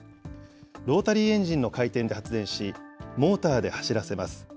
ロータリーエンジンの回転で発電し、モーターで走らせます。